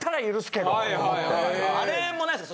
あれもないですか。